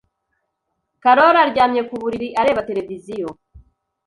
Karoli aryamye ku buriri, areba televiziyo.